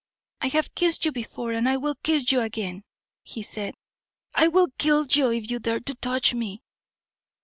"I have kissed you before, and I will kiss you again," he said. "I will kill you if you dare to touch me!"